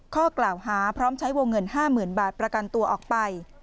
ข้อกล่าวหาพร้อมใช้วงเงิน๕๐๐๐บาทประกันตัวออกไป